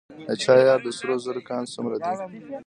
د چاه اب د سرو زرو کان څومره دی؟